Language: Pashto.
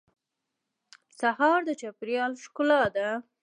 سهار د چاپېریال ښکلا ده.